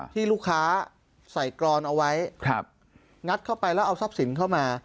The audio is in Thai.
ที่ลูกค้าใส่กรอนเอาไว้งัดเข้าไปแล้วเอาทรัพย์สินเข้ามา